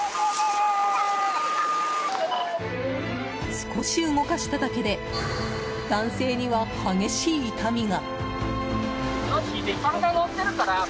少し動かしただけで男性には激しい痛みが。